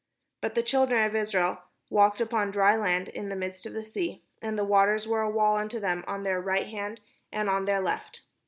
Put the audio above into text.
But the children of Israel walked upon dry land in the midst of the sea; and the waters were a wall unto them on their right hand, and on their left.